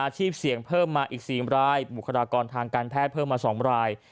ชีพเสี่ยงเพิ่มมาอีก๔รายบุคลากรทางการแพทย์เพิ่มมา๒ราย